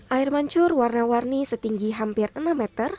air mancur warna warni setinggi hampir enam meter